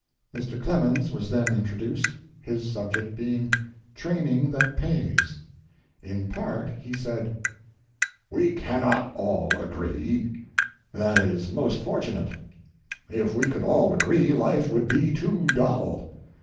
Mrs. Clemens was then introduced, his subject being, "Training That Pays." In part, he said: "We cannot all agree. That is most fortunate. If we could all agree life would be too dull.